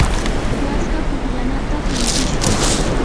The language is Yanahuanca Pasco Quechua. waska pukllanata pintishun.